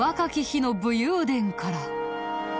日の武勇伝から。